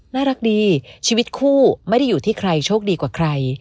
น่ารักดีชีวิตคู่ไม่ได้อยู่ที่ใครโชคดีกว่าใคร